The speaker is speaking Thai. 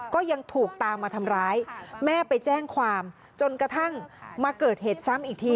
ก็ยังถูกตามมาทำร้ายแม่ไปแจ้งความจนกระทั่งมาเกิดเหตุซ้ำอีกที